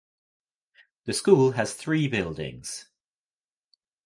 The school has three buildings.